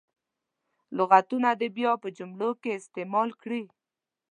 لغتونه دې بیا په جملو کې استعمال کړي.